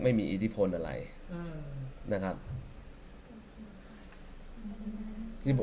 ไม่มีอิทธิพลอะไรนะครับ